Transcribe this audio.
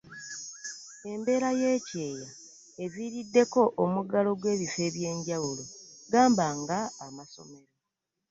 embeera y'ekyeya evviirideko omuggalo gw'ebifo ebyenjawulo gamba nga amasomero